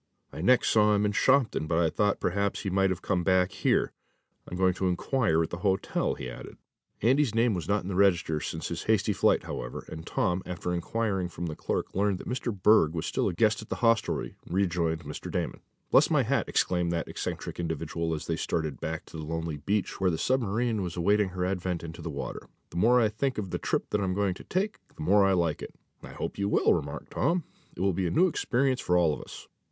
I next saw him in Shopton, but I thought perhaps he might have come back here. I'm going to inquire at the hotel," he added. Andy's name was not on the register since his hasty flight, however, and Tom, after inquiring from the clerk and learning that Mr. Berg was still a guest at the hostelry, rejoined Mr. Damon. "Bless my hat!" exclaimed that eccentric individual as they started back to the lonely beach where the submarine was awaiting her advent into the water. "The more I think of the trip I'm going to take, the more I like it." "I hope you will," remarked Tom. "It will be a new experience for all of us.